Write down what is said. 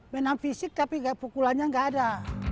menang fisik tapi pukulannya nggak ada